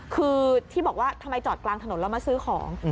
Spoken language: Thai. คือที่บอกว่าทำไมจอดกลางถนนแล้วมาซื้อของ